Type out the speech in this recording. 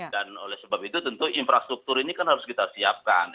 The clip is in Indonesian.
dan oleh sebab itu tentu infrastruktur ini kan harus kita siapkan